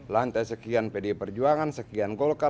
lantai sekian pd perjuangan sekian golok